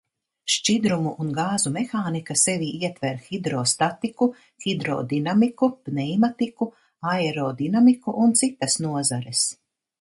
Šķidrumu un gāzu mehānika sevī ietver hidrostatiku, hidrodinamiku, pneimatiku, aerodinamiku un citas nozares.